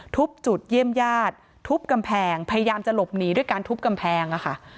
จุดเยี่ยมญาติทุบกำแพงพยายามจะหลบหนีด้วยการทุบกำแพงอะค่ะ